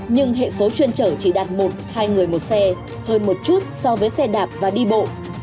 nhưng hệ số chuyên chở chỉ đạt một hai người một xe hơn một chút so với xe đạp và đi bộ